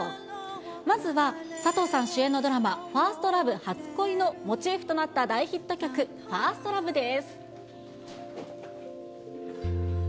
まずは佐藤さん主演のドラマ、ＦｉｒｓｔＬｏｖｅ初恋のモチーフとなった大ヒット曲、ＦｉｒｓｔＬｏｖｅです。